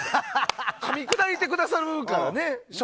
かみ砕いてくださるからね。